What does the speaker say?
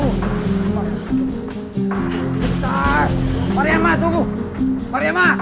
sebentar mariama tunggu mariama mariama